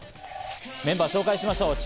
メンバーを紹介しましょう。